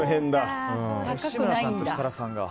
吉村さんと設楽さんが。